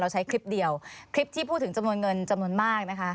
ใช้คลิปเดียวคลิปที่พูดถึงจำนวนเงินจำนวนมากนะคะ